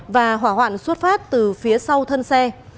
và hỏa hoạn xuất phát từ phía sau thân xe